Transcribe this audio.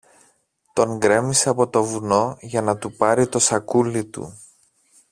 τον γκρέμισε από το βουνό για να του πάρει το σακούλι του.